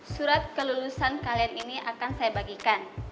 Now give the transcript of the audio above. surat kelulusan kalian ini akan saya bagikan